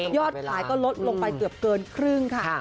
อดขายก็ลดลงไปเกือบเกินครึ่งค่ะ